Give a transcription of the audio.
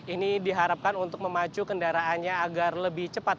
ini diharapkan untuk memacu kendaraannya agar lebih cepat